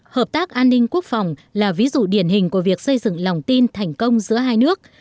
hợp tác an ninh quốc phòng là ví dụ điển hình của việc xây dựng lòng tin thành công giữa hai nước